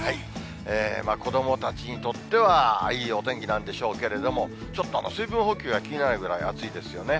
子どもたちにとっては、いいお天気なんでしょうけれども、ちょっと水分補給が気になるぐらい、暑いですよね。